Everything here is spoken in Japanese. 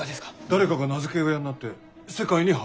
誰かが名付け親になって世界に発表する。